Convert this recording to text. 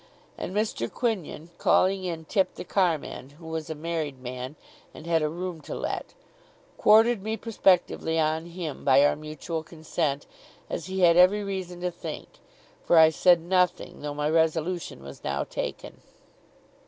And Mr. Quinion, calling in Tipp the carman, who was a married man, and had a room to let, quartered me prospectively on him by our mutual consent, as he had every reason to think; for I said nothing, though my resolution was now taken.